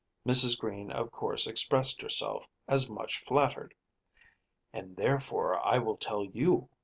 Mrs. Green of course expressed herself as much flattered. "And therefore I will tell you.